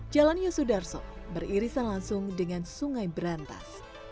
jalan yosudarso beririsan langsung dengan sungai berantas